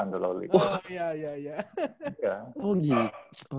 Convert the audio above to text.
tujuh atau delapan tuh lalu